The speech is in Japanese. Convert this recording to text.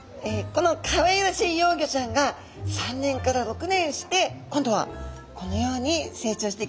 このかわいらしい幼魚ちゃんが３年から６年して今度はこのように成長していきます。